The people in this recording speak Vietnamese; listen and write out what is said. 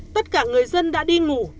tất cả người dân đã đi ngủ